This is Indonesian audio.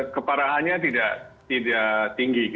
keparahannya tidak tinggi